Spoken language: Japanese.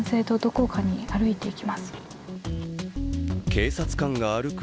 警察官が歩く